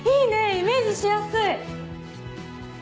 イメージしやすい。